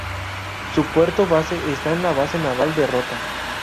Su puerto base está en la "Base Naval de Rota".